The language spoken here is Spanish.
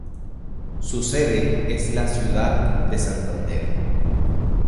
Su sede es la ciudad de Santander.